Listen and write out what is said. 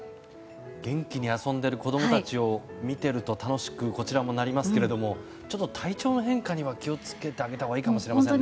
元気に遊んでいる子供たちを見ていると楽しく、こちらもなりますけどもちょっと体調の変化には気を付けてあげたほうがいいかもしれませんね。